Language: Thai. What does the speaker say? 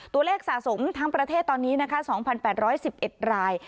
ตัวเลขสะสมทั้งประเทศตอนนี้นะคะ๒๘๑๑ราย